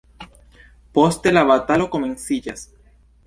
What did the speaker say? Poste la batalo komenciĝas.